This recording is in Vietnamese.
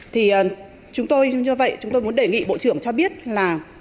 thì chúng tôi như vậy chúng tôi muốn đề nghị bộ trưởng cho biết là